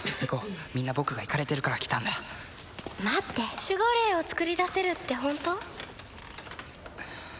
みんな僕がイカれてるから来たんだ待って守護霊を作り出せるってホント？